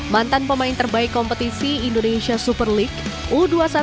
mantan pemain terbaik kompetisi indonesia super league